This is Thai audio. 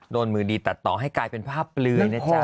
มือดีตัดต่อให้กลายเป็นภาพเปลือยนะจ๊ะ